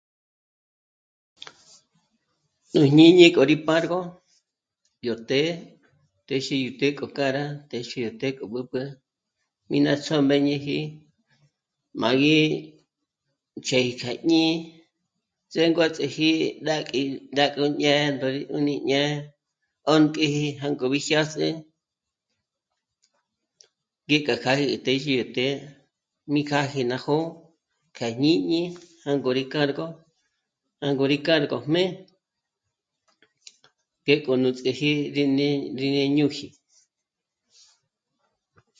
Nú jñíni k'o rí párgo yó të́'ë téxi yó të́'ë k'o k'â'a rá téxi yó të́'ë k'o b'ǚb'ü mí ná ts'ómbeñeji má gí ch'ë̀'ë í kja jñí'i zénguats'eji rá'k'i, rák'o dyé'e ndùni yé'e 'ö́nk'iji jângobi jyâs'i mbí kja kjâ'a í tézhi yó të́'ë mí kja jí ná jó'o kja jñíni jângo rí cargo, jângo rí cargojmé ngéko nú ts'éji rí né'e ní rí ñùji